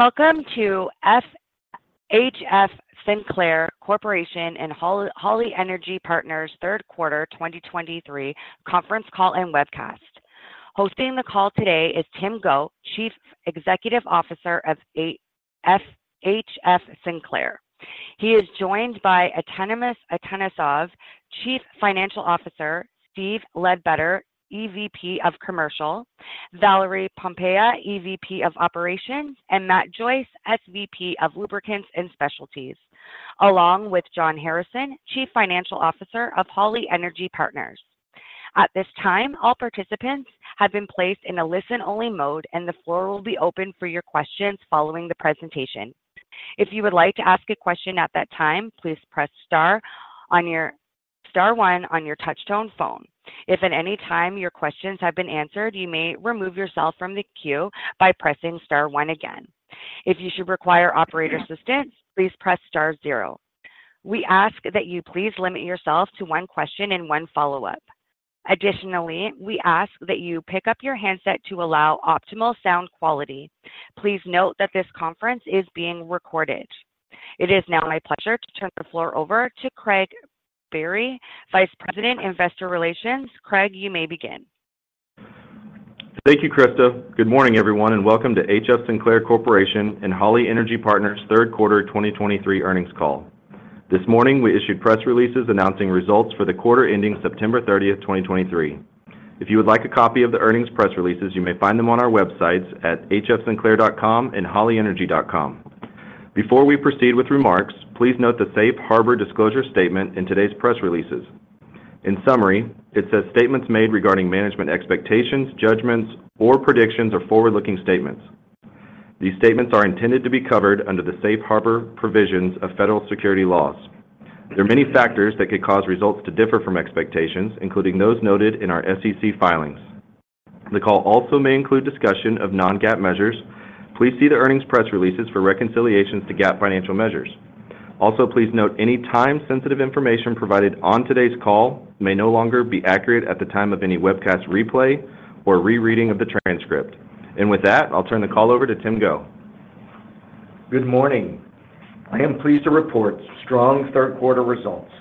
Welcome to HF Sinclair Corporation and Holly Energy Partners third quarter 2023 conference call and webcast. Hosting the call today is Tim Go, Chief Executive Officer of HF Sinclair. He is joined by Atanas Atanasov, Chief Financial Officer, Steve Ledbetter, EVP of Commercial, Valerie Pompa, EVP of Operations, and Matt Joyce, SVP of Lubricants and Specialties, along with John Harrison, Chief Financial Officer of Holly Energy Partners. At this time, all participants have been placed in a listen-only mode, and the floor will be open for your questions following the presentation. If you would like to ask a question at that time, please press star one on your touchtone phone. If at any time your questions have been answered, you may remove yourself from the queue by pressing star one again. If you should require operator assistance, please press star zero. We ask that you please limit yourself to one question and one follow-up. Additionally, we ask that you pick up your handset to allow optimal sound quality. Please note that this conference is being recorded. It is now my pleasure to turn the floor over to Craig Biery, Vice President, Investor Relations. Craig, you may begin. Thank you, Krista. Good morning, everyone, and welcome to HF Sinclair Corporation and Holly Energy Partners' third quarter 2023 earnings call. This morning, we issued press releases announcing results for the quarter ending September 30, 2023. If you would like a copy of the earnings press releases, you may find them on our websites at hfsinclair.com and hollyenergy.com. Before we proceed with remarks, please note the Safe Harbor disclosure statement in today's press releases. In summary, it says, "Statements made regarding management expectations, judgments, or predictions are forward-looking statements. These statements are intended to be covered under the Safe Harbor provisions of federal securities laws. There are many factors that could cause results to differ from expectations, including those noted in our SEC filings. The call also may include discussion of non-GAAP measures. Please see the earnings press releases for reconciliations to GAAP financial measures. Also, please note any time-sensitive information provided on today's call may no longer be accurate at the time of any webcast replay or rereading of the transcript." With that, I'll turn the call over to Tim Go. Good morning. I am pleased to report strong third quarter results,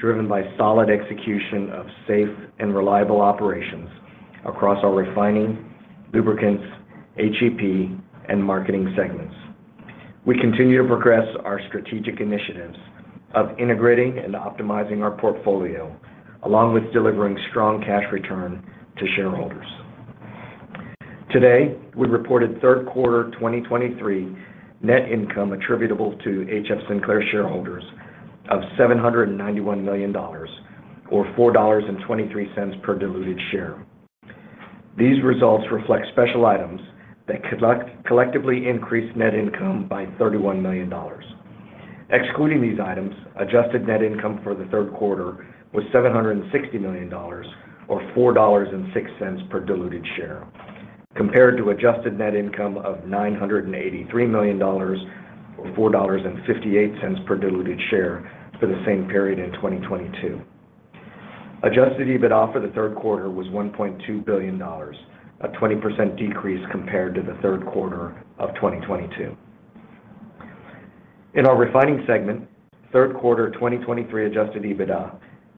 driven by solid execution of safe and reliable operations across our refining, lubricants, HEP, and marketing segments. We continue to progress our strategic initiatives of integrating and optimizing our portfolio, along with delivering strong cash return to shareholders. Today, we reported third quarter 2023 net income attributable to HF Sinclair shareholders of $791 million or $4.23 per diluted share. These results reflect special items that collectively increased net income by $31 million. Excluding these items, adjusted net income for the third quarter was $760 million, or $4.06 per diluted share, compared to adjusted net income of $983 million, or $4.58 per diluted share for the same period in 2022. Adjusted EBITDA for the third quarter was $1.2 billion, a 20% decrease compared to the third quarter of 2022. In our refining segment, third quarter 2023 adjusted EBITDA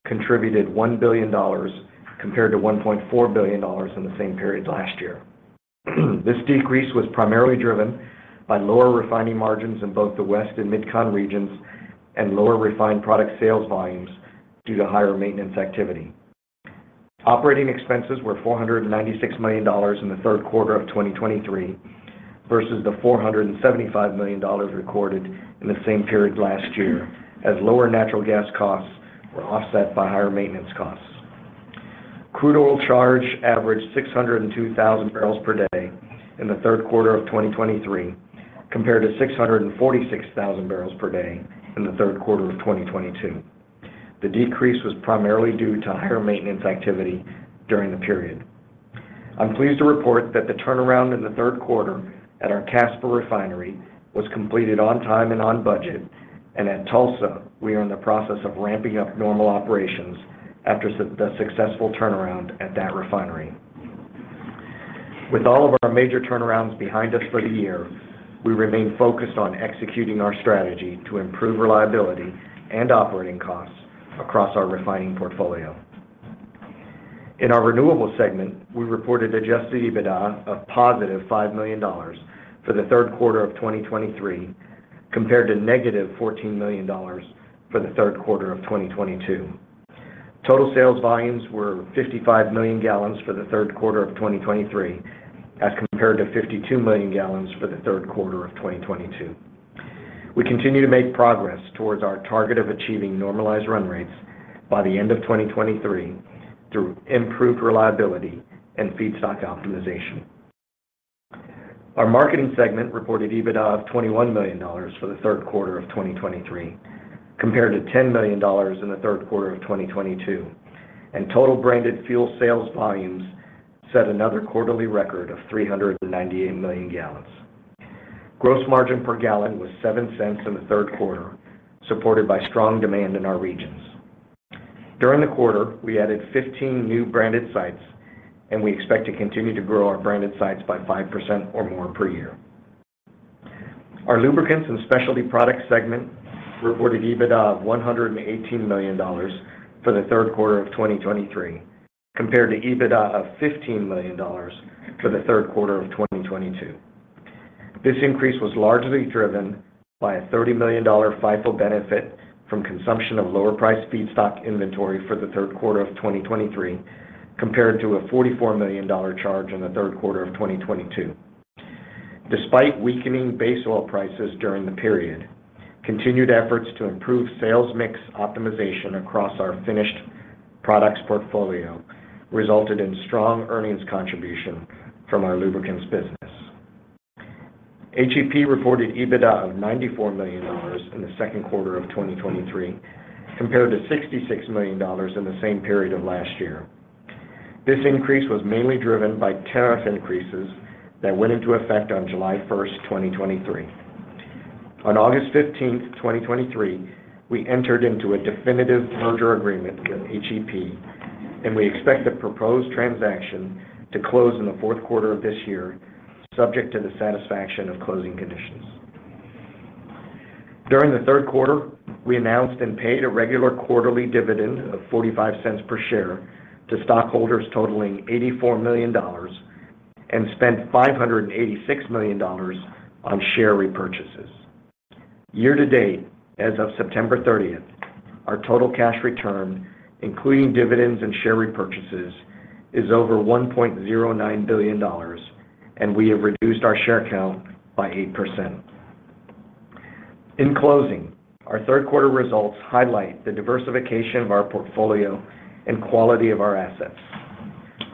contributed $1 billion compared to $1.4 billion in the same period last year. This decrease was primarily driven by lower refining margins in both the West and MidCon regions and lower refined product sales volumes due to higher maintenance activity. Operating expenses were $496 million in the third quarter of 2023, versus the $475 million recorded in the same period last year, as lower natural gas costs were offset by higher maintenance costs. Crude oil charge averaged 602,000 barrels per day in the third quarter of 2023, compared to 646,000 barrels per day in the third quarter of 2022. The decrease was primarily due to higher maintenance activity during the period. I'm pleased to report that the turnaround in the third quarter at our Casper refinery was completed on time and on budget, and at Tulsa, we are in the process of ramping up normal operations after the successful turnaround at that refinery. With all of our major turnarounds behind us for the year, we remain focused on executing our strategy to improve reliability and operating costs across our refining portfolio. In our renewables segment, we reported Adjusted EBITDA of positive $5 million for the third quarter of 2023, compared to negative $14 million for the third quarter of 2022. Total sales volumes were 55 million gallons for the third quarter of 2023, as compared to 52 million gallons for the third quarter of 2022. We continue to make progress towards our target of achieving normalized run rates by the end of 2023 through improved reliability and feedstock optimization. Our marketing segment reported EBITDA of $21 million for the third quarter of 2023, compared to $10 million in the third quarter of 2022, and total branded fuel sales volumes set another quarterly record of 398 million gallons. Gross margin per gallon was $0.07 in the third quarter, supported by strong demand in our regions... During the quarter, we added 15 new branded sites, and we expect to continue to grow our branded sites by 5% or more per year. Our lubricants and specialty products segment reported EBITDA of $118 million for the third quarter of 2023, compared to EBITDA of $15 million for the third quarter of 2022. This increase was largely driven by a $30 million FIFO benefit from consumption of lower-priced feedstock inventory for the third quarter of 2023, compared to a $44 million charge in the third quarter of 2022. Despite weakening base oil prices during the period, continued efforts to improve sales mix optimization across our finished products portfolio resulted in strong earnings contribution from our lubricants business. HEP reported EBITDA of $94 million in the second quarter of 2023, compared to $66 million in the same period of last year. This increase was mainly driven by tariff increases that went into effect on July 1, 2023. On August 15, 2023, we entered into a definitive merger agreement with HEP, and we expect the proposed transaction to close in the fourth quarter of this year, subject to the satisfaction of closing conditions. During the third quarter, we announced and paid a regular quarterly dividend of $0.45 per share to stockholders totaling $84 million and spent $586 million on share repurchases. Year to date, as of September 30, our total cash return, including dividends and share repurchases, is over $1.09 billion, and we have reduced our share count by 8%. In closing, our third quarter results highlight the diversification of our portfolio and quality of our assets.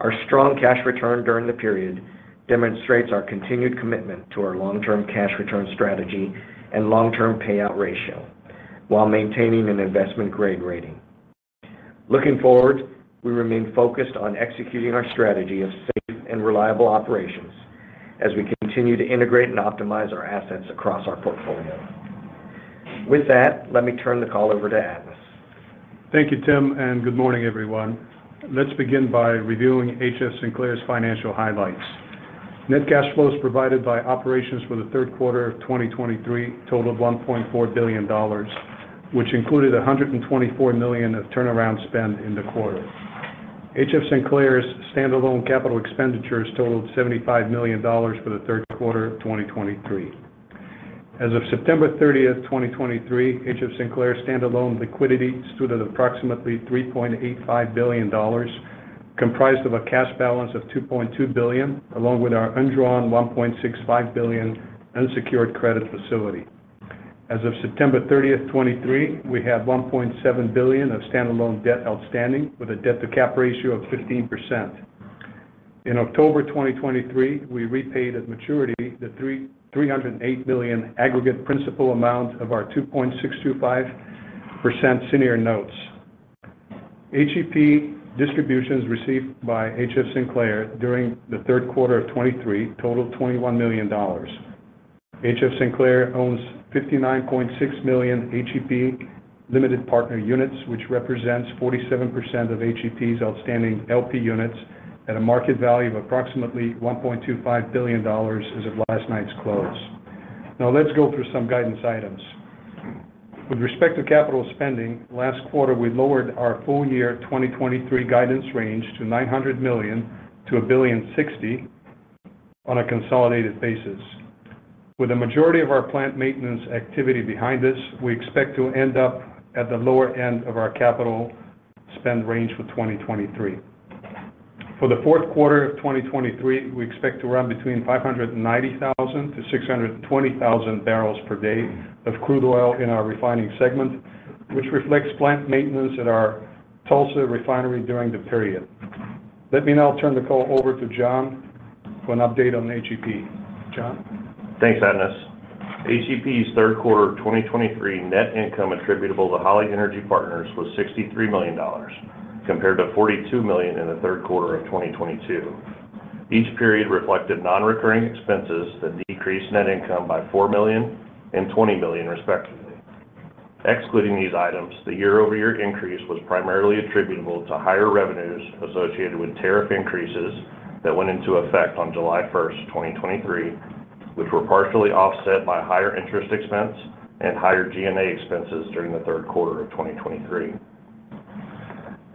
Our strong cash return during the period demonstrates our continued commitment to our long-term cash return strategy and long-term payout ratio while maintaining an investment-grade rating. Looking forward, we remain focused on executing our strategy of safe and reliable operations as we continue to integrate and optimize our assets across our portfolio. With that, let me turn the call over to Atanas. Thank you, Tim, and good morning, everyone. Let's begin by reviewing HF Sinclair's financial highlights. Net cash flows provided by operations for the third quarter of 2023 totaled $1.4 billion, which included $124 million of turnaround spend in the quarter. HF Sinclair's standalone capital expenditures totaled $75 million for the third quarter of 2023. As of September 30, 2023, HF Sinclair's standalone liquidity stood at approximately $3.85 billion, comprised of a cash balance of $2.2 billion, along with our undrawn $1.65 billion unsecured credit facility. As of September 30, 2023, we have $1.7 billion of standalone debt outstanding, with a debt-to-cap ratio of 15%. In October 2023, we repaid at maturity the $308 million aggregate principal amount of our 2.625% senior notes. HEP distributions received by HF Sinclair during the third quarter of 2023 totaled $21 million. HF Sinclair owns 59.6 million HEP limited partner units, which represents 47% of HEP's outstanding LP units at a market value of approximately $1.25 billion as of last night's close. Now, let's go through some guidance items. With respect to capital spending, last quarter, we lowered our full-year 2023 guidance range to $900 million-$1.06 billion on a consolidated basis. With the majority of our plant maintenance activity behind us, we expect to end up at the lower end of our capital spend range for 2023. For the fourth quarter of 2023, we expect to run between 590,000-620,000 barrels per day of crude oil in our refining segment, which reflects plant maintenance at our Tulsa refinery during the period. Let me now turn the call over to John for an update on HEP. John? Thanks, Atanas. HEP's third quarter 2023 net income attributable to Holly Energy Partners was $63 million, compared to $42 million in the third quarter of 2022. Each period reflected non-recurring expenses that decreased net income by $4 million and $20 million, respectively. Excluding these items, the year-over-year increase was primarily attributable to higher revenues associated with tariff increases that went into effect on July 1, 2023, which were partially offset by higher interest expense and higher G&A expenses during the third quarter of 2023.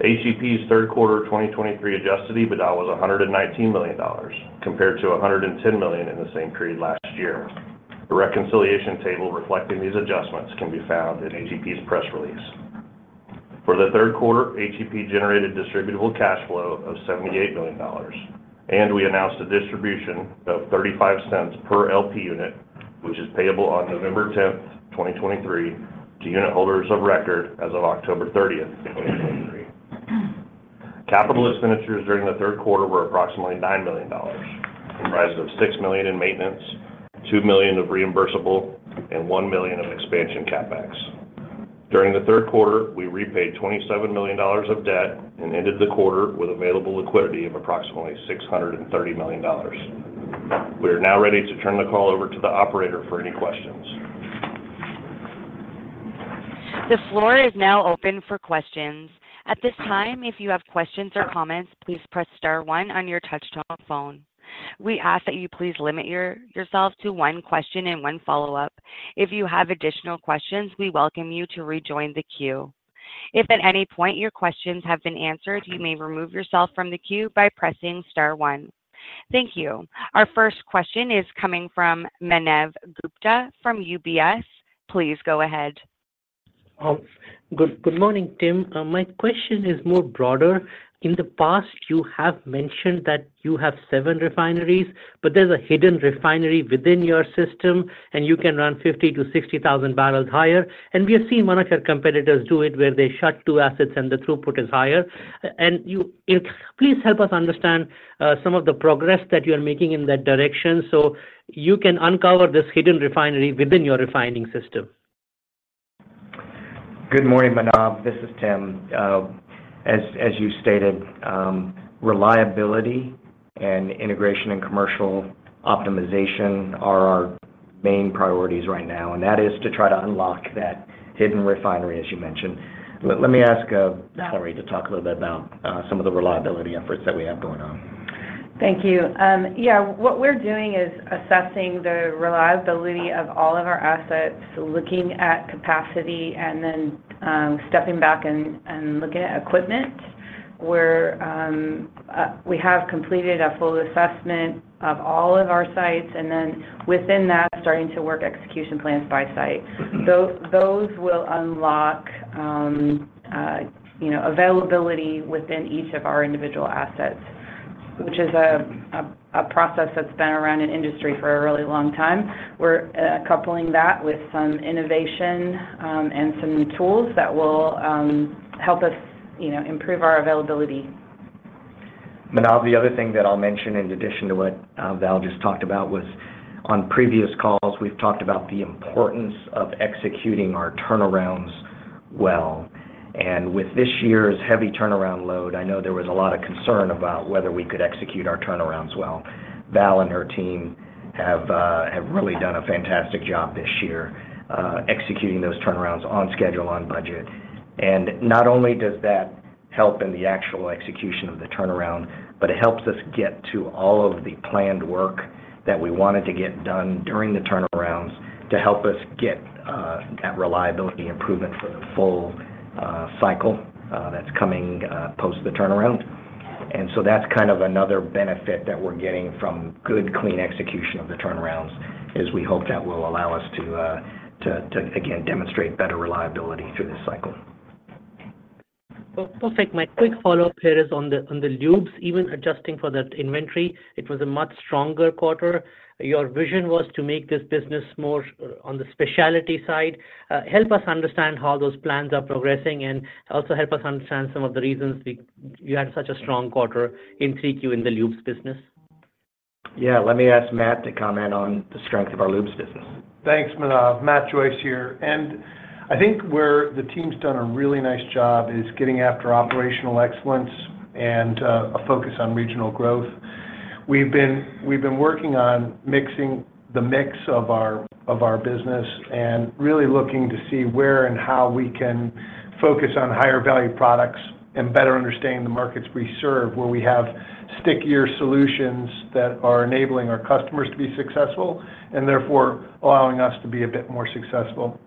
HEP's third quarter of 2023 adjusted EBITDA was $119 million, compared to $110 million in the same period last year. The reconciliation table reflecting these adjustments can be found in HEP's press release. For the third quarter, HEP generated distributable cash flow of $78 million, and we announced a distribution of $0.35 per LP unit, which is payable on November 10, 2023, to unit holders of record as of October 30, 2023. Capital expenditures during the third quarter were approximately $9 million, comprised of $6 million in maintenance, $2 million of reimbursable, and $1 million of expansion CapEx. During the third quarter, we repaid $27 million of debt and ended the quarter with available liquidity of approximately $630 million. We are now ready to turn the call over to the operator for any questions.... The floor is now open for questions. At this time, if you have questions or comments, please press star one on your touchtone phone. We ask that you please limit yourself to one question and one follow-up. If you have additional questions, we welcome you to rejoin the queue. If at any point your questions have been answered, you may remove yourself from the queue by pressing star one. Thank you. Our first question is coming from Manav Gupta from UBS. Please go ahead. Oh, good, good morning, Tim. My question is more broader. In the past, you have mentioned that you have seven refineries, but there's a hidden refinery within your system, and you can run 50-60,000 barrels higher. And we have seen one of your competitors do it, where they shut two assets and the throughput is higher. And you please help us understand some of the progress that you are making in that direction, so you can uncover this hidden refinery within your refining system. Good morning, Manav. This is Tim. As you stated, reliability and integration and commercial optimization are our main priorities right now, and that is to try to unlock that hidden refinery, as you mentioned. Let me ask Valerie to talk a little bit about some of the reliability efforts that we have going on. Thank you. Yeah, what we're doing is assessing the reliability of all of our assets, looking at capacity and then stepping back and looking at equipment, where we have completed a full assessment of all of our sites, and then within that, starting to work execution plans by site. Those will unlock, you know, availability within each of our individual assets, which is a process that's been around in industry for a really long time. We're coupling that with some innovation and some new tools that will help us, you know, improve our availability. Manav, the other thing that I'll mention, in addition to what Val just talked about, was on previous calls, we've talked about the importance of executing our turnarounds well. And with this year's heavy turnaround load, I know there was a lot of concern about whether we could execute our turnarounds well. Val and her team have really done a fantastic job this year executing those turnarounds on schedule, on budget. And not only does that help in the actual execution of the turnaround, but it helps us get to all of the planned work that we wanted to get done during the turnarounds to help us get that reliability improvement for the full cycle that's coming post the turnaround. And so that's kind of another benefit that we're getting from good, clean execution of the turnarounds, is we hope that will allow us to again demonstrate better reliability through this cycle. Well, perfect. My quick follow-up here is on the, on the lubes. Even adjusting for that inventory, it was a much stronger quarter. Your vision was to make this business more on the specialty side. Help us understand how those plans are progressing, and also help us understand some of the reasons you had such a strong quarter in 3Q in the lubes business. Yeah. Let me ask Matt to comment on the strength of our lubes business. Thanks, Manav. Matt Joyce here, and I think where the team's done a really nice job is getting after operational excellence and a focus on regional growth. We've been working on mixing the mix of our business and really looking to see where and how we can focus on higher value products and better understand the markets we serve, where we have stickier solutions that are enabling our customers to be successful, and therefore allowing us to be a bit more successful.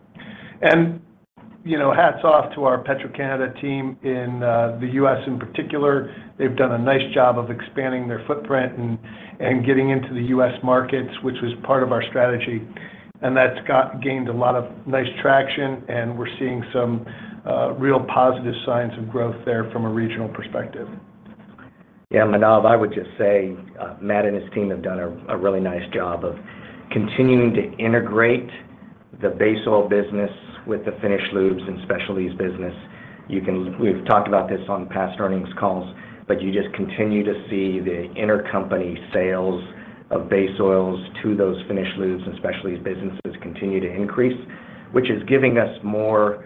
You know, hats off to our Petro-Canada team in the US in particular. They've done a nice job of expanding their footprint and getting into the US markets, which was part of our strategy, and that's gained a lot of nice traction, and we're seeing some real positive signs of growth there from a regional perspective. Yeah, Manav, I would just say, Matt and his team have done a really nice job of continuing to integrate the base oil business with the finished lubes and specialties business. We've talked about this on past earnings calls, but you just continue to see the intercompany sales of base oils to those finished lubes and specialties businesses continue to increase, which is giving us more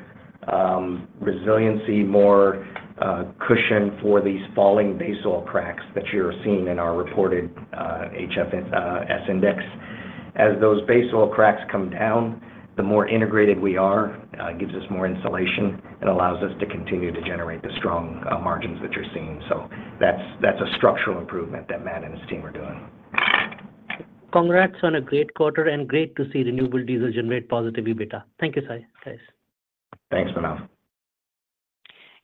resiliency, more cushion for these falling base oil cracks that you're seeing in our reported HFS index. As those base oil cracks come down, the more integrated we are, it gives us more insulation and allows us to continue to generate the strong margins that you're seeing. So that's a structural improvement that Matt and his team are doing. Congrats on a great quarter, and great to see renewable diesel generate positive EBITDA. Thank you, guys. Thanks, Manav.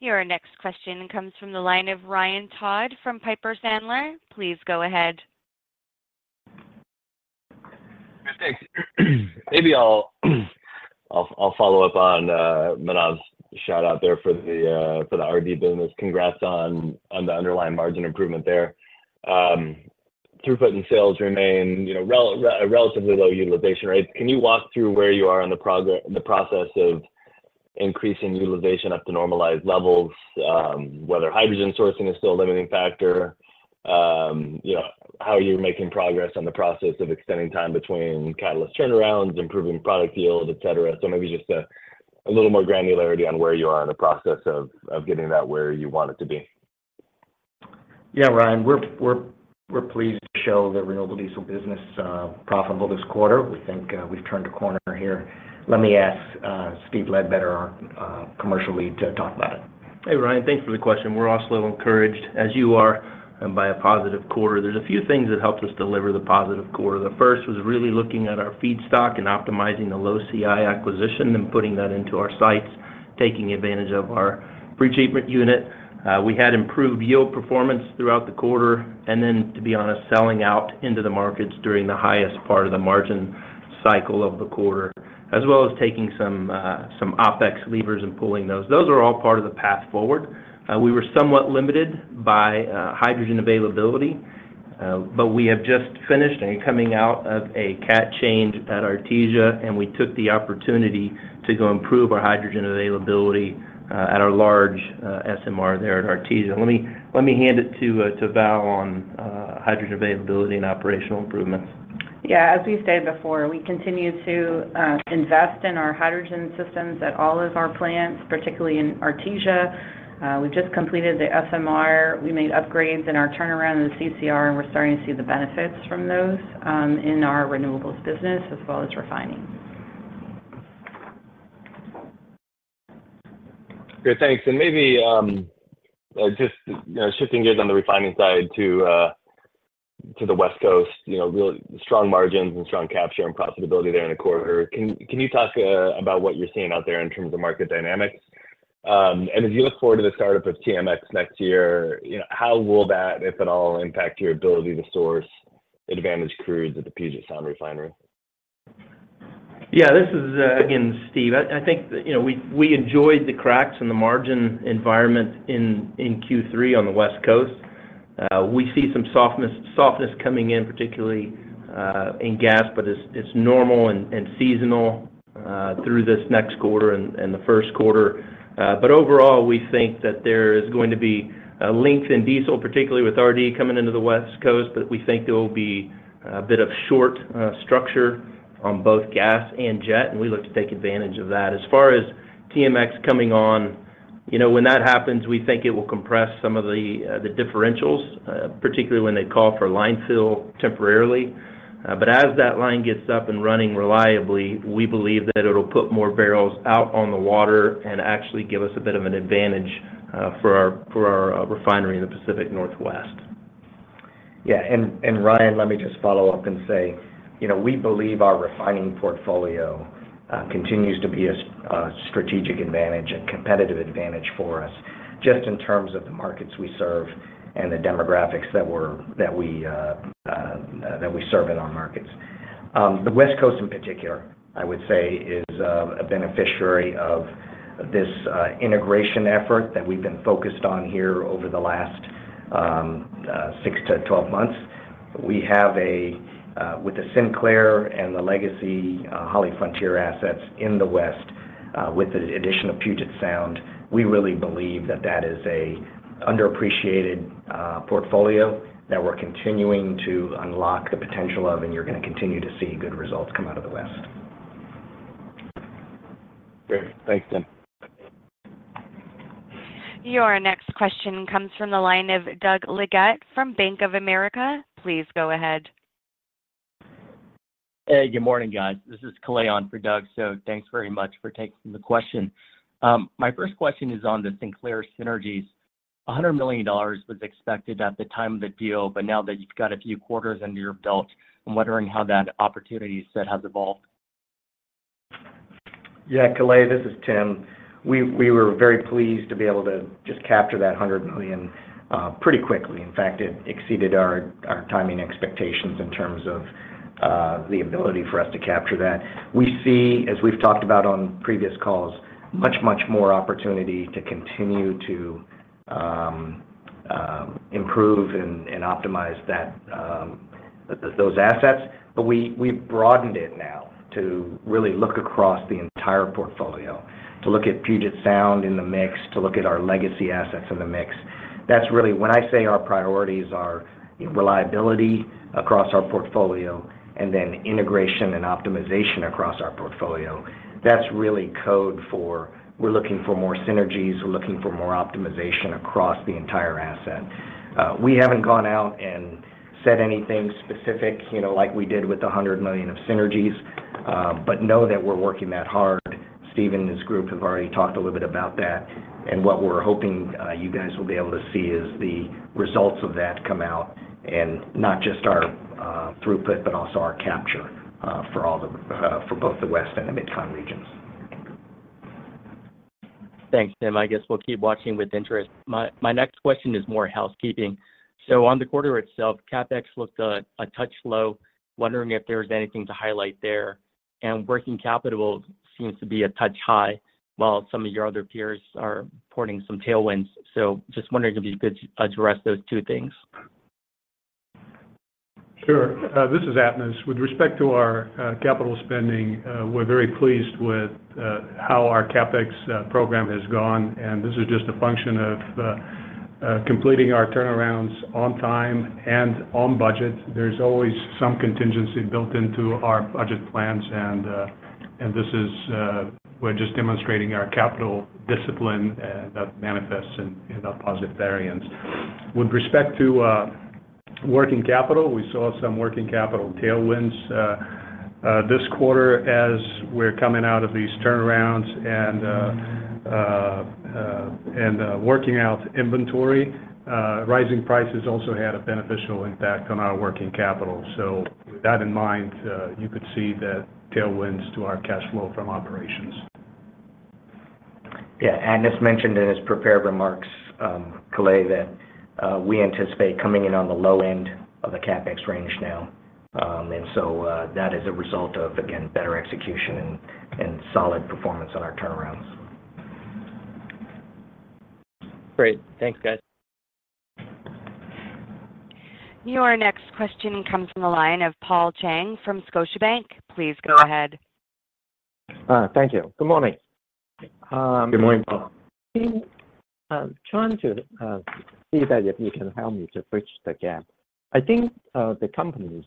Your next question comes from the line of Ryan Todd from Piper Sandler. Please go ahead. Thanks. Maybe I'll follow up on Manav's shout out there for the RD business. Congrats on the underlying margin improvement there. Throughput and sales remain, you know, relatively low utilization rates. Can you walk through where you are on the progress, the process of increasing utilization up to normalized levels, whether hydrogen sourcing is still a limiting factor? You know, how are you making progress on the process of extending time between catalyst turnarounds, improving product yield, et cetera? So maybe just a little more granularity on where you are in the process of getting that where you want it to be.... Yeah, Ryan, we're pleased to show the renewable diesel business profitable this quarter. We think we've turned a corner here. Let me ask Steve Ledbetter, our commercial lead, to talk about it. Hey, Ryan, thanks for the question. We're also a little encouraged, as you are, by a positive quarter. There's a few things that helped us deliver the positive quarter. The first was really looking at our feedstock and optimizing the low CI acquisition and putting that into our sites, taking advantage of our pre-treatment unit. We had improved yield performance throughout the quarter, and then, to be honest, selling out into the markets during the highest part of the margin cycle of the quarter, as well as taking some OpEx levers and pulling those. Those are all part of the path forward. We were somewhat limited by hydrogen availability, but we have just finished and coming out of a cat change at Artesia, and we took the opportunity to go improve our hydrogen availability at our large SMR there at Artesia. Let me hand it to Val on hydrogen availability and operational improvements. Yeah, as we've stated before, we continue to invest in our hydrogen systems at all of our plants, particularly in Artesia. We've just completed the SMR. We made upgrades in our turnaround in the CCR, and we're starting to see the benefits from those in our renewables business, as well as refining. Good, thanks. And maybe, shifting gears on the refining side to the West Coast, you know, real strong margins and strong capture and profitability there in the quarter. Can you talk about what you're seeing out there in terms of market dynamics? And as you look forward to the startup of TMX next year, you know, how will that, if at all, impact your ability to source advantage crudes at the Puget Sound Refinery? Yeah, this is again Steve. I think, you know, we enjoyed the cracks in the margin environment in Q3 on the West Coast. We see some softness coming in, particularly in gas, but it's normal and seasonal through this next quarter and the first quarter. But overall, we think that there is going to be a length in diesel, particularly with RD coming into the West Coast, but we think there will be a bit of short structure on both gas and jet, and we look to take advantage of that. As far as TMX coming on, you know, when that happens, we think it will compress some of the differentials, particularly when they call for line fill temporarily. But as that line gets up and running reliably, we believe that it'll put more barrels out on the water and actually give us a bit of an advantage for our refinery in the Pacific Northwest. Yeah. And Ryan, let me just follow up and say, you know, we believe our refining portfolio continues to be a strategic advantage and competitive advantage for us, just in terms of the markets we serve and the demographics that we serve in our markets. The West Coast, in particular, I would say, is a beneficiary of this integration effort that we've been focused on here over the last six to 12 months. We have with the Sinclair and the legacy HollyFrontier assets in the West, with the addition of Puget Sound, we really believe that that is an underappreciated portfolio that we're continuing to unlock the potential of, and you're gonna continue to see good results come out of the West. Great. Thanks, Tim. Your next question comes from the line of Doug Leggate from Bank of America. Please go ahead. Hey, good morning, guys. This is Kale on for Doug, so thanks very much for taking the question. My first question is on the Sinclair synergies. $100 million was expected at the time of the deal, but now that you've got a few quarters under your belt, I'm wondering how that opportunity set has evolved. Yeah, Kale, this is Tim. We were very pleased to be able to just capture that $100 million pretty quickly. In fact, it exceeded our timing expectations in terms of the ability for us to capture that. We see, as we've talked about on previous calls, much, much more opportunity to continue to improve and optimize those assets. But we've broadened it now to really look across the entire portfolio, to look at Puget Sound in the mix, to look at our legacy assets in the mix. That's really when I say our priorities are reliability across our portfolio and then integration and optimization across our portfolio, that's really code for we're looking for more synergies, we're looking for more optimization across the entire asset. We haven't gone out and said anything specific, you know, like we did with the $100 million of synergies, but know that we're working that hard. Steve and his group have already talked a little bit about that, and what we're hoping you guys will be able to see is the results of that come out, and not just our throughput, but also our capture for both the West and the MidCon regions. Thanks, Tim. I guess we'll keep watching with interest. My next question is more housekeeping. So on the quarter itself, CapEx looked a touch low. Wondering if there was anything to highlight there. Working capital seems to be a touch high, while some of your other peers are reporting some tailwinds. So just wondering if you could address those two things. Sure. This is Atanas. With respect to our capital spending, we're very pleased with how our CapEx program has gone, and this is just a function of completing our turnarounds on time and on budget. There's always some contingency built into our budget plans, and and this is... We're just demonstrating our capital discipline that manifests in our positive variance. With respect to, ... working capital, we saw some working capital tailwinds this quarter as we're coming out of these turnarounds and working out inventory. Rising prices also had a beneficial impact on our working capital. So with that in mind, you could see the tailwinds to our cash flow from operations. Yeah. Atanas mentioned in his prepared remarks, kale, that we anticipate coming in on the low end of the CapEx range now. And so, that is a result of, again, better execution and solid performance on our turnarounds. Great. Thanks, guys. Your next question comes from the line of Paul Cheng from Scotiabank. Please go ahead. Thank you. Good morning. Good morning, Paul. Trying to see that if you can help me to bridge the gap. I think the company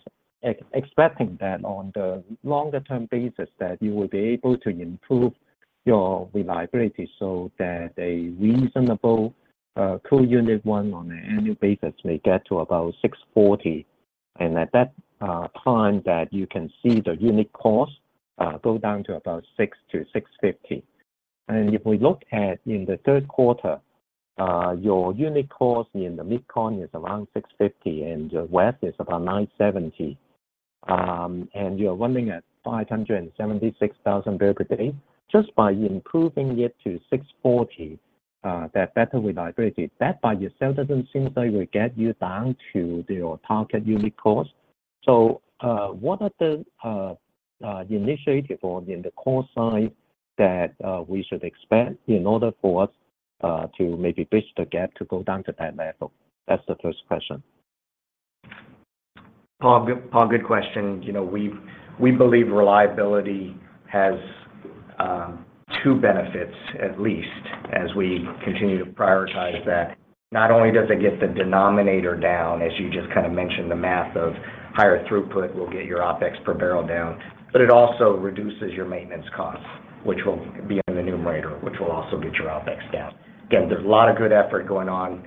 is expecting that on the longer term basis, that you will be able to improve your reliability so that a reasonable two unit one on an annual basis may get to about 640. At that time that you can see the unit cost go down to about 600-650. If we look at in the third quarter, your unit cost in the MidCon is around 650, and West is about 970. You're running at 576,000 barrel per day. Just by improving it to 640, that better reliability, that by yourself doesn't seem like will get you down to your target unit cost. So, what are the initiative or in the cost side that we should expect in order for us to maybe bridge the gap to go down to that level? That's the first question. Paul, Paul, good question. You know, we believe reliability has two benefits, at least, as we continue to prioritize that. Not only does it get the denominator down, as you just kind of mentioned, the math of higher throughput will get your OpEx per barrel down, but it also reduces your maintenance costs, which will be in the numerator, which will also get your OpEx down. Again, there's a lot of good effort going on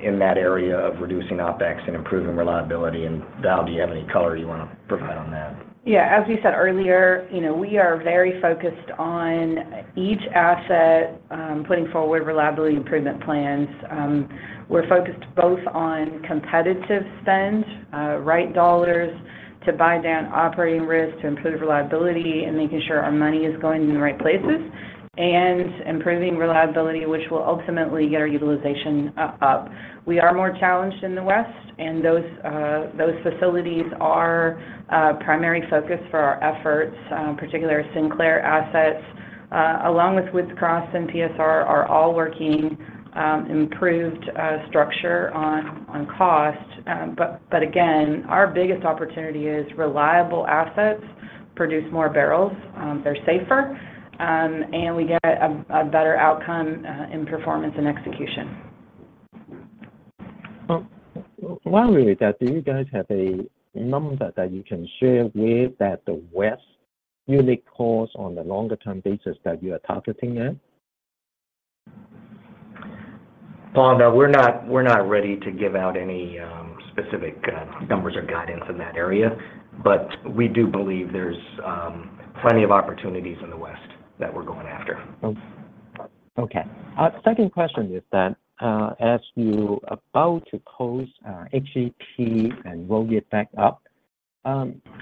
in that area of reducing OpEx and improving reliability. And, Val, do you have any color you wanna provide on that? Yeah. As we said earlier, you know, we are very focused on each asset, putting forward reliability improvement plans. We're focused both on competitive spend, right dollars to buy down operating risks, to improve reliability, and making sure our money is going in the right places, and improving reliability, which will ultimately get our utilization up, up. We are more challenged in the West, and those facilities are a primary focus for our efforts, particularly Sinclair assets, along with Woods Cross and PSR, are all working improved structure on cost. But again, our biggest opportunity is reliable assets produce more barrels, they're safer, and we get a better outcome in performance and execution. Well, while we're at that, do you guys have a number that you can share with that the West unit cost on the longer term basis that you are targeting at? Paul, no, we're not, we're not ready to give out any specific numbers or guidance in that area, but we do believe there's plenty of opportunities in the West that we're going after. Okay. Second question is that, as you about to close, HEP and roll it back up,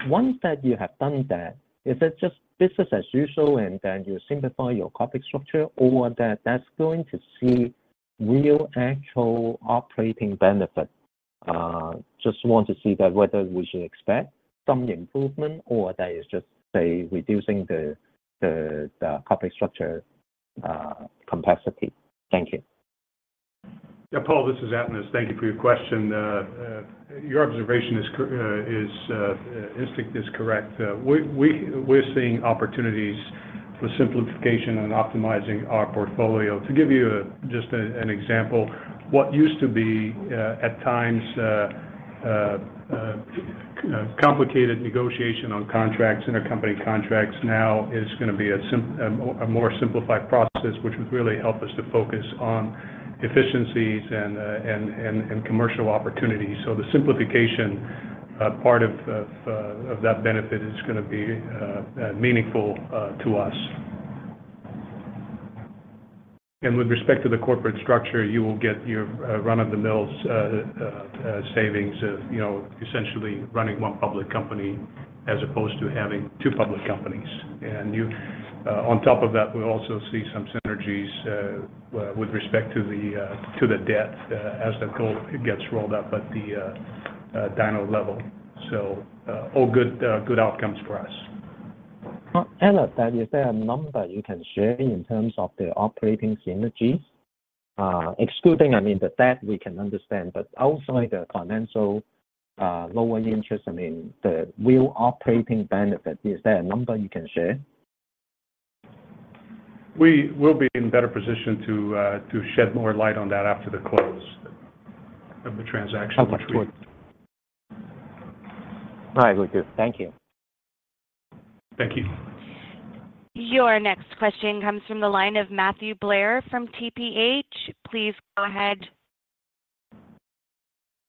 once that you have done that, is it just business as usual, and then you simplify your corporate structure, or that that's going to see real actual operating benefit? Just want to see that whether we should expect some improvement or that is just, say, reducing the corporate structure complexity. Thank you. Yeah, Paul, this is Atanas. Thank you for your question. Your observation is correct. Your instinct is correct. We're seeing opportunities for simplification and optimizing our portfolio. To give you just an example, what used to be at times complicated negotiation on contracts, intercompany contracts now is gonna be a more simplified process, which would really help us to focus on efficiencies and commercial opportunities. So the simplification part of that benefit is gonna be meaningful to us. And with respect to the corporate structure, you will get your run-of-the-mill savings of, you know, essentially running one public company as opposed to having two public companies. And you, on top of that, we also see some synergies with respect to the debt, as the goal it gets rolled up at the DINO level. So, all good, good outcomes for us. Atanas, is there a number you can share in terms of the operating synergies? Excluding, I mean, the debt we can understand, but outside the financial, lower interest, I mean, the real operating benefit, is there a number you can share? We will be in better position to shed more light on that after the close of the transaction. How much would-... Right, we do. Thank you. Thank you. Your next question comes from the line of Matthew Blair from TPH. Please go ahead.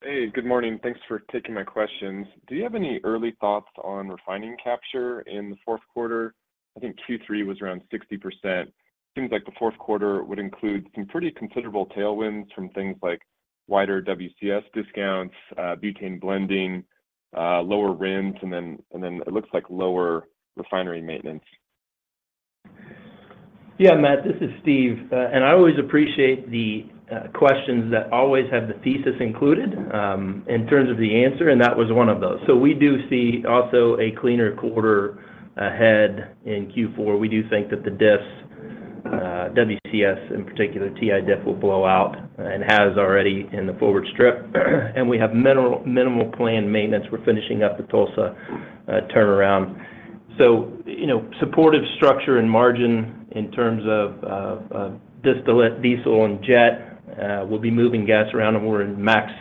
Hey, good morning. Thanks for taking my questions. Do you have any early thoughts on refining capture in the fourth quarter? I think Q3 was around 60%. Seems like the fourth quarter would include some pretty considerable tailwinds from things like wider WCS discounts, butane blending, lower RINs, and then it looks like lower refinery maintenance. Yeah, Matt, this is Steve. And I always appreciate the questions that always have the thesis included in terms of the answer, and that was one of those. So we do see also a cleaner quarter ahead in Q4. We do think that the diffs, WCS in particular, TI diff will blow out and has already in the forward strip. And we have minimal, minimal planned maintenance. We're finishing up the Tulsa turnaround. So, you know, supportive structure and margin in terms of distillate, diesel, and jet. We'll be moving gas around, and we're in max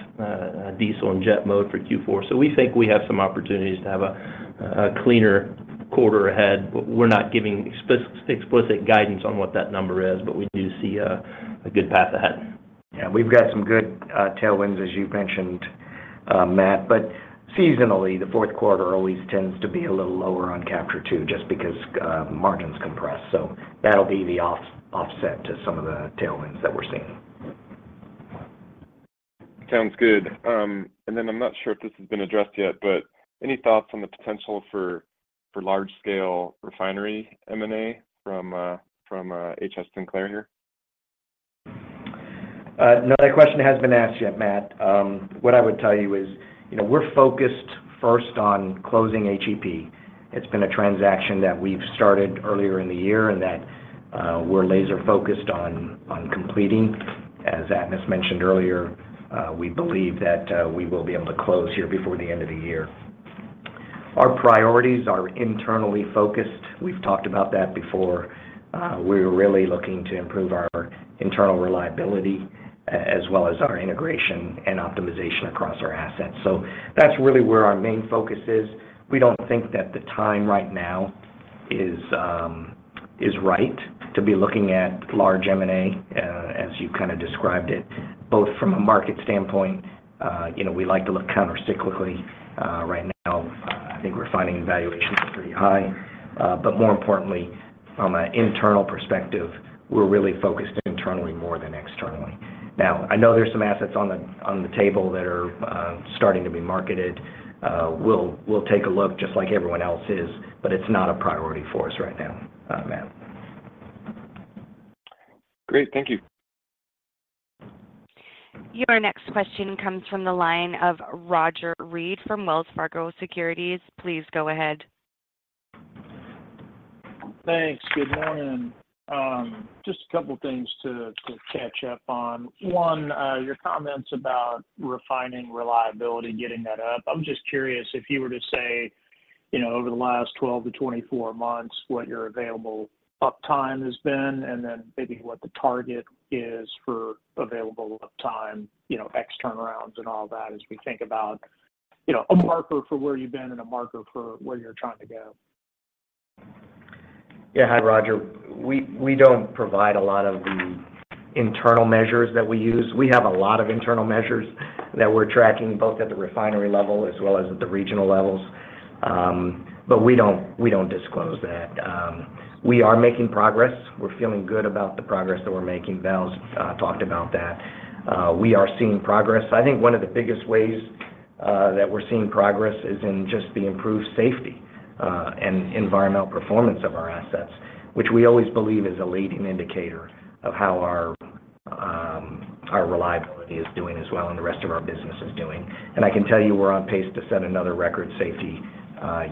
diesel and jet mode for Q4. So we think we have some opportunities to have a cleaner quarter ahead, but we're not giving explicit guidance on what that number is. But we do see a good path ahead. Yeah, we've got some good, tailwinds, as you've mentioned, Matt. But seasonally, the fourth quarter always tends to be a little lower on capture, too, just because, margins compress. So that'll be the offset to some of the tailwinds that we're seeing. Sounds good. And then I'm not sure if this has been addressed yet, but any thoughts on the potential for large-scale refinery M&A from HF Sinclair here? No, that question hasn't been asked yet, Matt. What I would tell you is, you know, we're focused first on closing HEP. It's been a transaction that we've started earlier in the year, and that, we're laser-focused on completing. As Atanas mentioned earlier, we believe that we will be able to close here before the end of the year. Our priorities are internally focused. We've talked about that before. We're really looking to improve our internal reliability, as well as our integration and optimization across our assets. So that's really where our main focus is. We don't think that the time right now is right to be looking at large M&A, as you kind of described it, both from a market standpoint. You know, we like to look countercyclically. Right now, I think we're finding valuations are pretty high. But more importantly, from an internal perspective, we're really focused internally more than externally. Now, I know there's some assets on the table that are starting to be marketed. We'll take a look just like everyone else is, but it's not a priority for us right now, Matt. Great. Thank you. Your next question comes from the line of Roger Reed from Wells Fargo Securities. Please go ahead. Thanks. Good morning. Just a couple of things to catch up on. One, your comments about refining reliability, getting that up. I'm just curious if you were to say, you know, over the last 12-24 months, what your available uptime has been, and then maybe what the target is for available uptime, you know, ex turnarounds and all that, as we think about, you know, a marker for where you've been and a marker for where you're trying to go. Yeah. Hi, Roger. We don't provide a lot of the internal measures that we use. We have a lot of internal measures that we're tracking, both at the refinery level as well as at the regional levels. But we don't disclose that. We are making progress. We're feeling good about the progress that we're making. Val's talked about that. We are seeing progress. I think one of the biggest ways that we're seeing progress is in just the improved safety and environmental performance of our assets, which we always believe is a leading indicator of how our reliability is doing as well and the rest of our business is doing. And I can tell you, we're on pace to set another record safety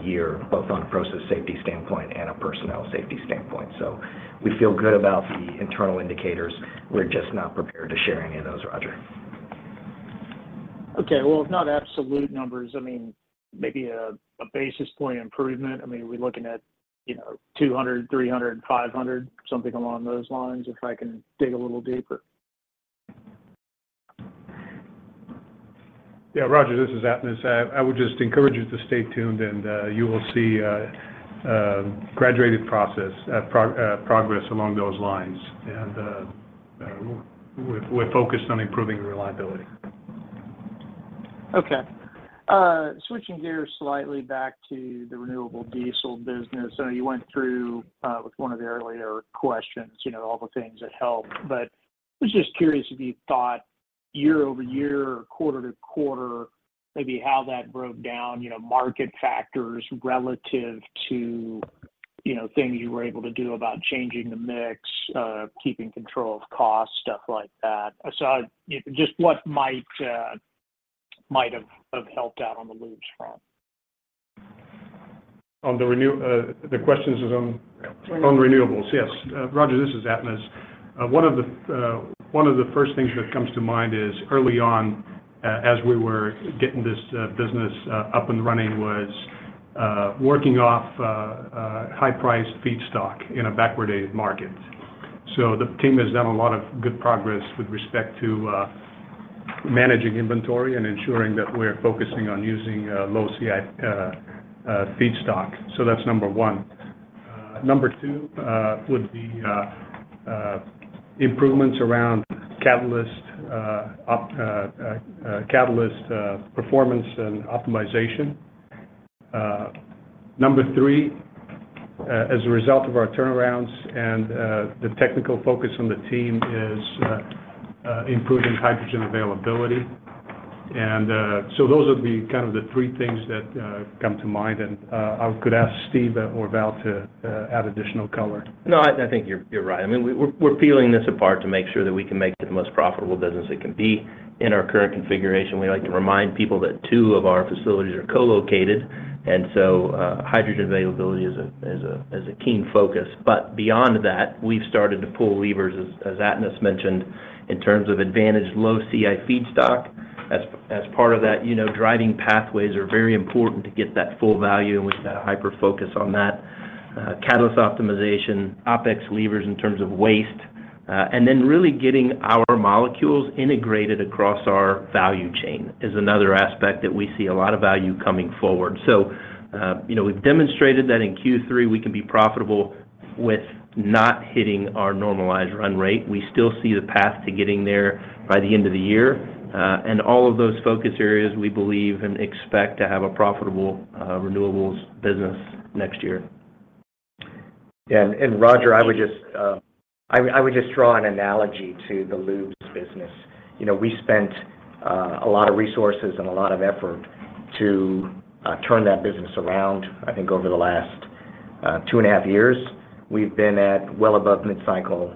year, both on a process safety standpoint and a personnel safety standpoint. We feel good about the internal indicators. We're just not prepared to share any of those, Roger. Okay. Well, if not absolute numbers, I mean, maybe a basis point improvement. I mean, are we looking at, you know, 200, 300, 500, something along those lines, if I can dig a little deeper? Yeah, Roger, this is Atanas. I would just encourage you to stay tuned, and you will see graduated progress along those lines. And we're focused on improving reliability. Okay. Switching gears slightly back to the renewable diesel business. I know you went through with one of the earlier questions, you know, all the things that helped. But I was just curious if you thought year-over-year or quarter-to-quarter, maybe how that broke down, you know, market factors relative to, you know, things you were able to do about changing the mix, keeping control of cost, stuff like that. So just what might have helped out on the lubes front? The question is on- Renewables... on renewables. Yes. Roger, this is Atanas. One of the first things that comes to mind is early on, as we were getting this business up and running, was working off high-priced feedstock in a backwardated market. So the team has done a lot of good progress with respect to managing inventory and ensuring that we're focusing on using low CI feedstock. So that's number one. Number two would be improvements around catalyst performance and optimization. Number three, as a result of our turnarounds and the technical focus on the team is improving hydrogen availability. And so those are kind of the three things that come to mind, and I could ask Steve or Val to add additional color. No, I think you're right. I mean, we're peeling this apart to make sure that we can make the most profitable business it can be. In our current configuration, we like to remind people that two of our facilities are co-located, and so, hydrogen availability is a keen focus. But beyond that, we've started to pull levers, as Atanas mentioned, in terms of advantage, low CI feedstock. As part of that, you know, driving pathways are very important to get that full value, and we've got a hyper focus on that. Catalyst optimization, OpEx levers in terms of waste, and then really getting our molecules integrated across our value chain is another aspect that we see a lot of value coming forward. You know, we've demonstrated that in Q3, we can be profitable with not hitting our normalized run rate. We still see the path to getting there by the end of the year. All of those focus areas, we believe and expect to have a profitable renewables business next year. Yeah, and, Roger, I would just—I mean, I would just draw an analogy to the lubes business. You know, we spent a lot of resources and a lot of effort to turn that business around. I think over the last two and a half years, we've been at well above mid-cycle,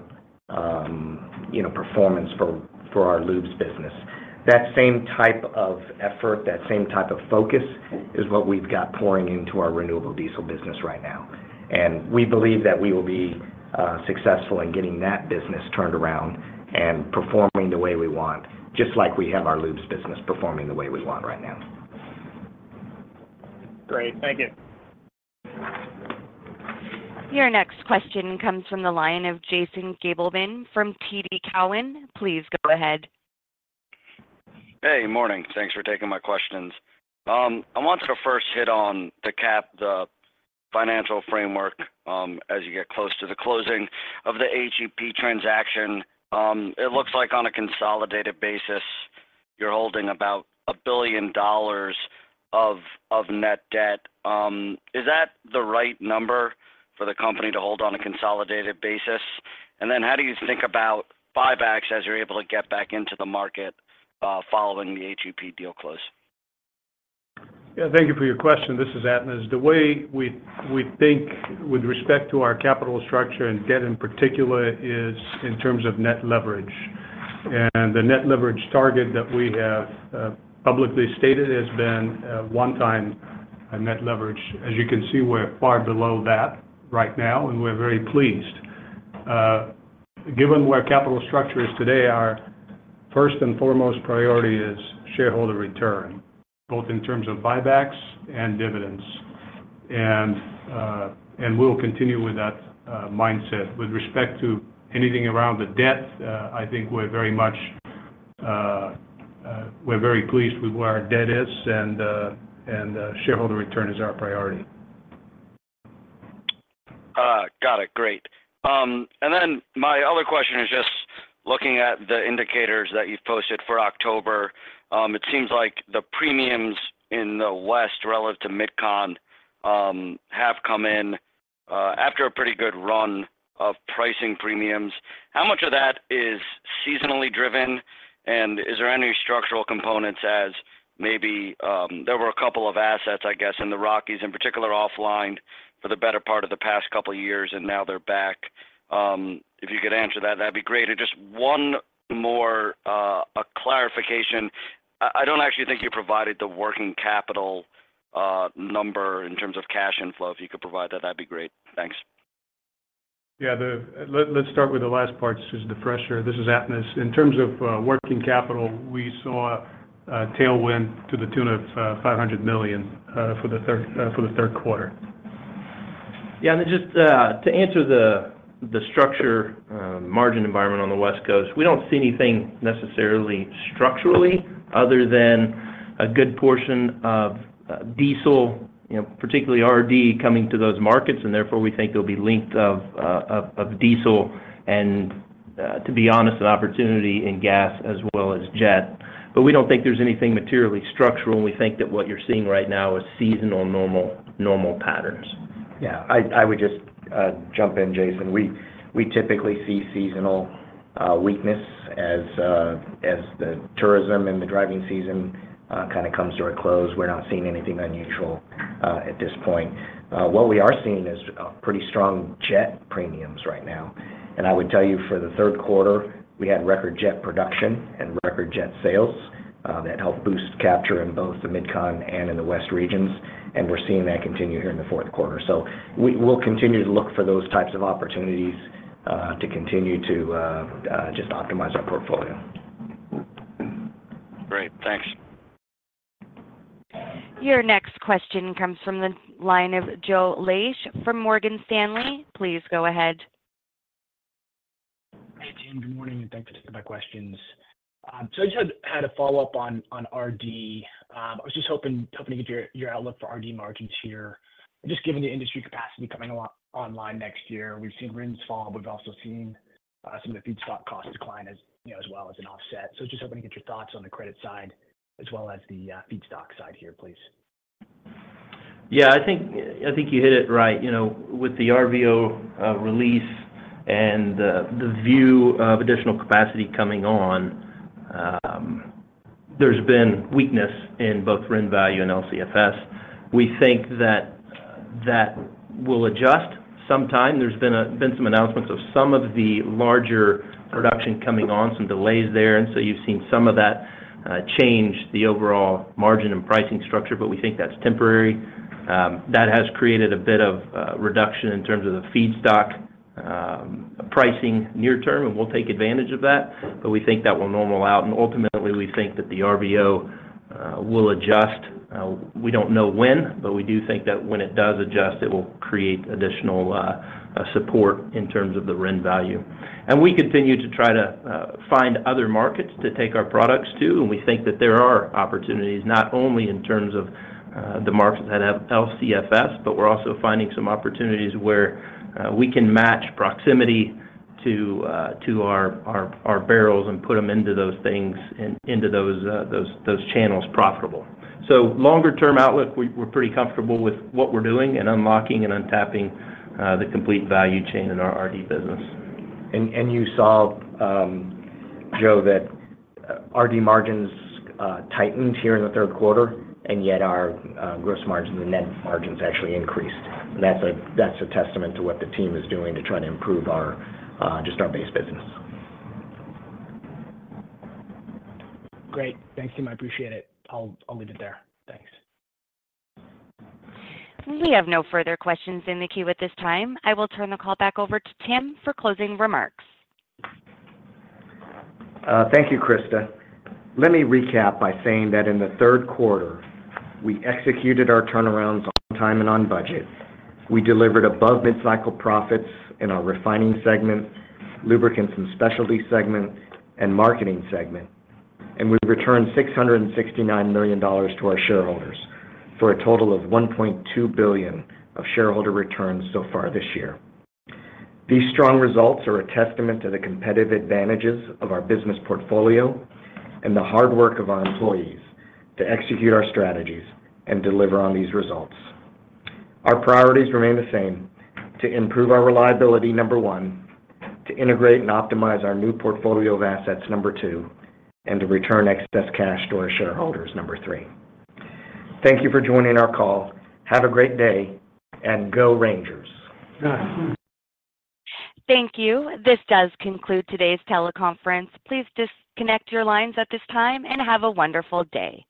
you know, performance for our lubes business. That same type of effort, that same type of focus, is what we've got pouring into our renewable diesel business right now. And we believe that we will be successful in getting that business turned around and performing the way we want, just like we have our lubes business performing the way we want right now. Great. Thank you. Your next question comes from the line of Jason Gabelman from TD Cowen. Please go ahead. Hey, morning. Thanks for taking my questions. I wanted to first hit on the CapEx, the financial framework, as you get close to the closing of the HEP transaction. It looks like on a consolidated basis, you're holding about $1 billion of net debt. Is that the right number for the company to hold on a consolidated basis? And then how do you think about buybacks as you're able to get back into the market, following the HEP deal close? Yeah, thank you for your question. This is Atanas. The way we think with respect to our capital structure and debt, in particular, is in terms of net leverage. And the net leverage target that we have publicly stated has been 1x net leverage. As you can see, we're far below that right now, and we're very pleased. Given where capital structure is today, our first and foremost priority is shareholder return, both in terms of buybacks and dividends. And we'll continue with that mindset. With respect to anything around the debt, I think we're very much, we're very pleased with where our debt is and, shareholder return is our priority. Got it. Great. And then my other question is just looking at the indicators that you've posted for October, it seems like the premiums in the West relative to MidCon have come in after a pretty good run of pricing premiums. How much of that is seasonally driven, and is there any structural components as maybe there were a couple of assets, I guess, in the Rockies, in particular, offlined for the better part of the past couple of years, and now they're back. If you could answer that, that'd be great. And just one more clarification. I don't actually think you provided the working capital number in terms of cash inflow. If you could provide that, that'd be great. Thanks. Yeah. Let's start with the last part, since it's the fresher. This is Atanas. In terms of working capital, we saw a tailwind to the tune of $500 million for the third quarter. Yeah, and then just to answer the structure margin environment on the West Coast, we don't see anything necessarily structurally other than a good portion of diesel, you know, particularly RD, coming to those markets, and therefore, we think there'll be length of diesel and, to be honest, an opportunity in gas as well as jet. But we don't think there's anything materially structural, and we think that what you're seeing right now is seasonal normal patterns. Yeah. I would just jump in, Jason. We typically see seasonal weakness as the tourism and the driving season kind of comes to a close. We're not seeing anything unusual at this point. What we are seeing is pretty strong jet premiums right now. And I would tell you, for the third quarter, we had record jet production and record jet sales that helped boost capture in both the MidCon and in the West regions, and we're seeing that continue here in the fourth quarter. So we'll continue to look for those types of opportunities to continue to just optimize our portfolio. Great. Thanks. Your next question comes from the line of Joe Laetsch from Morgan Stanley. Please go ahead. Hey, Tim. Good morning, and thanks for taking my questions. So I just had a follow-up on RD. I was just hoping to get your outlook for RD margins here. Just given the industry capacity coming online next year, we've seen RINs fall, but we've also seen some of the feedstock costs decline as, you know, as well as an offset. So just hoping to get your thoughts on the credit side as well as the feedstock side here, please. Yeah, I think, I think you hit it right. You know, with the RVO release and the view of additional capacity coming on, there's been weakness in both RIN value and LCFS. We think that that will adjust sometime. There's been some announcements of some of the larger production coming on, some delays there, and so you've seen some of that change the overall margin and pricing structure, but we think that's temporary. That has created a bit of reduction in terms of the feedstock pricing near term, and we'll take advantage of that. But we think that will normal out, and ultimately, we think that the RVO will adjust. We don't know when, but we do think that when it does adjust, it will create additional support in terms of the RIN value. And we continue to try to find other markets to take our products to, and we think that there are opportunities, not only in terms of the markets that have LCFS, but we're also finding some opportunities where we can match proximity to our barrels and put them into those things and into those channels profitable. So longer-term outlook, we're pretty comfortable with what we're doing and unlocking and untapping the complete value chain in our RD business. And you saw, Joe, that RD margins tightened here in the third quarter, and yet our gross margins and net margins actually increased. And that's a testament to what the team is doing to try to improve our just our base business. Great. Thanks, Tim. I appreciate it. I'll leave it there. Thanks. We have no further questions in the queue at this time. I will turn the call back over to Tim for closing remarks. Thank you, Krista. Let me recap by saying that in the third quarter, we executed our turnarounds on time and on budget. We delivered above mid-cycle profits in our refining segment, lubricants and specialties segment, and marketing segment. We returned $669 million to our shareholders, for a total of $1.2 billion of shareholder returns so far this year. These strong results are a testament to the competitive advantages of our business portfolio and the hard work of our employees to execute our strategies and deliver on these results. Our priorities remain the same: to improve our reliability, number one; to integrate and optimize our new portfolio of assets, number two; and to return excess cash to our shareholders, number three. Thank you for joining our call. Have a great day, and go Rangers! Thank you. This does conclude today's teleconference. Please disconnect your lines at this time, and have a wonderful day.